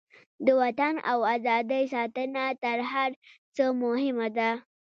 د وطن او ازادۍ ساتنه تر هر څه مهمه ده.